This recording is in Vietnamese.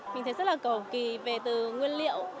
mình thấy rất là cổ kỳ về từ nguyên liệu